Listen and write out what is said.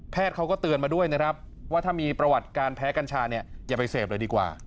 เขาก็เตือนมาด้วยนะครับว่าถ้ามีประวัติการแพ้กัญชาเนี่ยอย่าไปเสพเลยดีกว่า